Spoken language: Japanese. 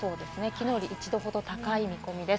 きのうより１度ほど高い見込みです。